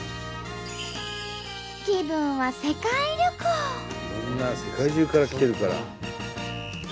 みんな世界中から来てるから。